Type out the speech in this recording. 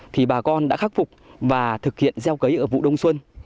thì bà con đã khắc phục và thực hiện gieo cấy ở vụ đông xuân